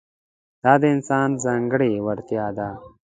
دا د انسان ځانګړې وړتیا ده.